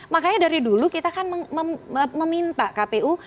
makanya dari dulu kita kan meminta kpu